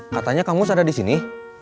katanya kamus ada disini